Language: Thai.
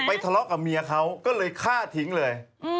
ทะเลาะกับเมียเขาก็เลยฆ่าทิ้งเลย